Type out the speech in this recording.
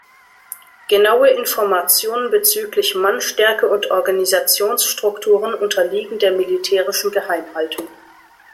Genaue Informationen bezüglich Mannstärke und Organisationsstrukturen unterliegen der militärischen Geheimhaltung.